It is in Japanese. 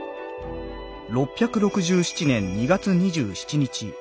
「６６７年２月２７日。